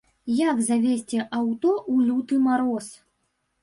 Як завесці аўто ў люты мароз.